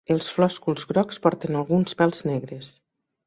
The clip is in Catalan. Els flòsculs grocs porten alguns pèls negres.